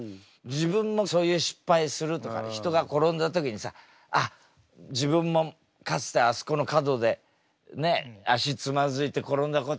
自分もそういう失敗するとか人が転んだ時にさあっ自分もかつてあそこの角でねっ足つまずいて転んだことがある。